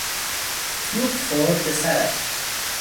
توپ خورد به سرش.